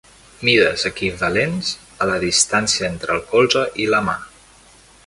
Mides equivalents a la distància entre el colze i la mà.